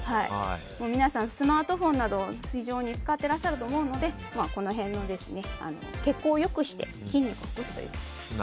皆さん、スマートフォンなど非常に使っていらっしゃると思うのでこの辺の血行を良くして筋肉をほぐすということです。